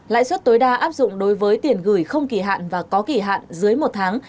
lãi suất tối đa áp dụng đối với tiền gửi không kỳ hạn và có kỳ hạn dưới một tháng